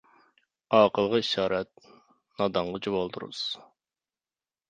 ئاقىلغا ئىشارەت، نادانغا جۇۋالدۇرۇز.